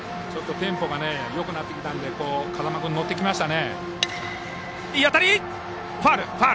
テンポがよくなってきて風間君、乗ってきましたね。